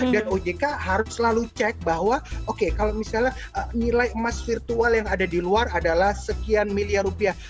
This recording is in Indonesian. dan ojk harus selalu cek bahwa oke kalau misalnya nilai emas virtual yang ada di luar adalah sekian miliar rupiah